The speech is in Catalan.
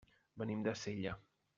Venim de Sella.